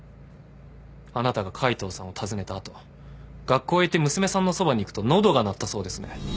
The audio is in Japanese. あなたが海藤さんを訪ねた後学校へ行って娘さんのそばに行くと喉が鳴ったそうですね。